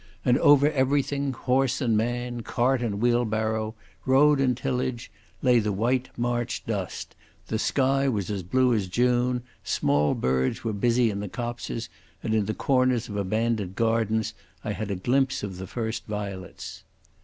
And over everything, horse and man, cart and wheelbarrow, road and tillage, lay the white March dust, the sky was blue as June, small birds were busy in the copses, and in the corners of abandoned gardens I had a glimpse of the first violets.